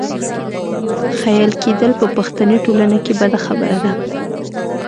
ښېل کېدل په پښتني ټولنه کې بده خبره ده.